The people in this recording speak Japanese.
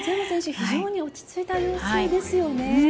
非常に落ち着いた様子ですよね。